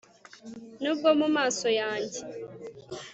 nubwo mu maso yanjye